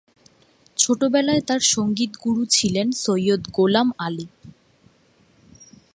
ছোটবেলায় তার সঙ্গীত গুরু ছিলেন সৈয়দ গোলাম আলী।